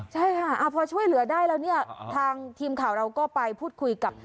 ใช่ค่ะพอช่วยเหลือได้แล้วเนี่ยทางทีมข่าวเราก็ไปพูดคุยกับ